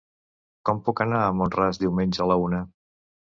Com puc anar a Mont-ras diumenge a la una?